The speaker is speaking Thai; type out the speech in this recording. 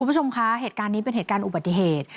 คุณผู้ชมคะเหตุการณ์นี้เป็นเหตุการณ์อุบัติเหตุ